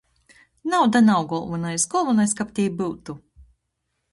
Nauda nav golvonais, golvonais, kab tei byutu...